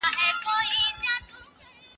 له نه وسه مي ددۍ خور يې.